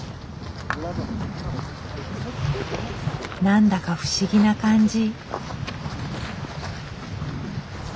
何だか不思議な感じ。